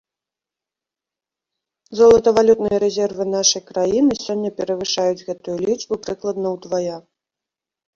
Золатавалютныя рэзервы нашай краіны сёння перавышаюць гэтую лічбу прыкладна ўдвая.